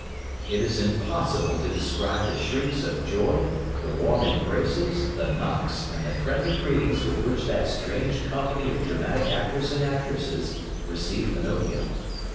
It is impossible to describe the shrieks of joy, the warm embraces, the knocks, and the friendly greetings with which that strange company of dramatic actors and actresses received Pinocchio.